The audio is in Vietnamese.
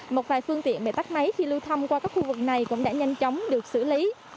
một vài phương tiện bị tắt máy khi lưu thông qua các khu vực này cũng đã nhanh chóng được xử lý